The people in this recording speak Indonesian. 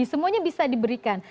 semuanya bisa diberikan